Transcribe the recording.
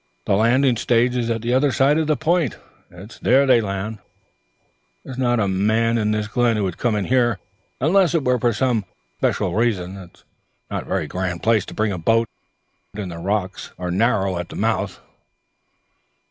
"The landin' stage is awa' at the ether side o' the p'int; it's aye there they land. There's nae a man in a' this glen would come in here, unless it whar for some special reason. It's no' a vary grand place tae bring a boat in. The rocks are narrow at the mouth."